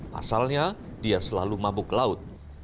pasalnya dia selalu mabuk laut